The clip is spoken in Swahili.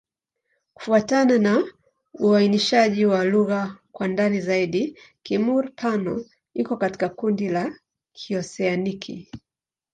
Kufuatana na uainishaji wa lugha kwa ndani zaidi, Kimur-Pano iko katika kundi la Kioseaniki.